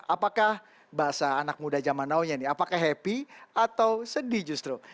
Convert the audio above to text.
apakah bahasa anak muda zaman now nya ini apakah happy atau sedih justru